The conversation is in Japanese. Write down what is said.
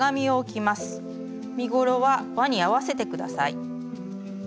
身ごろはわに合わせて下さい。